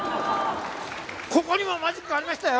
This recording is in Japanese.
ここにもマジックありましたよ！